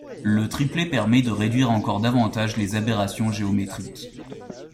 Le triplet permet de réduire encore davantage les aberrations géométriques.